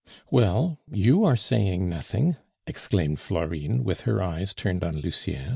"Well; you are saying nothing!" exclaimed Florine, with her eyes turned on Lucien.